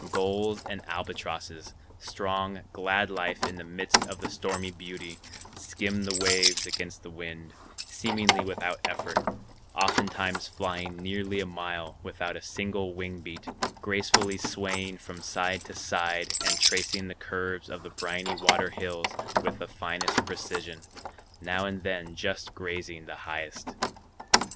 Gulls and albatrosses, strong, glad life in the midst of the stormy beauty, skimmed the waves against the wind, seemingly without effort, oftentimes flying nearly a mile without a single wing beat, gracefully swaying from side to side and tracing the curves of the briny water hills with the finest precision, now and then just grazing the highest.